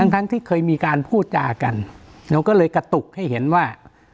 ทั้งที่เคยมีการพูดจากันหนูก็เลยกระตุกให้เห็นว่า